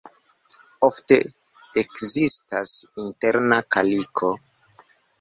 Ofte ekzistas interna kaliko.